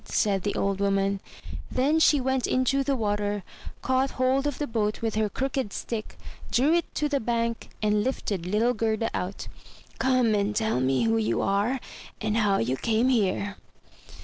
*' said the old Woman; then she went into the water, caught hold of the boat with her crooked stick, drew it to the bank, and lifted little Gerda out. "Come and tell me who you are, and how you came here."